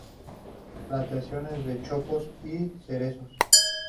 Plantaciones de chopos y cerezos.